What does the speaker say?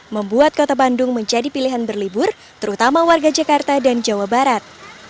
membuat kota bandung menjadi pilihan berlibur terutama warga jakarta dan jawa barat